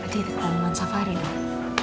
di taman safari dong